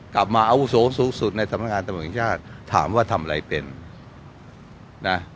กลับมาอาวุโศกสูงสุดในสำนักงานสำนักงานเองถามว่าทำไรเป็น